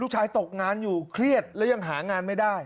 ตกงานอยู่เครียดแล้วยังหางานไม่ได้